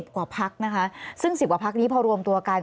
กว่าพักนะคะซึ่ง๑๐กว่าพักนี้พอรวมตัวกัน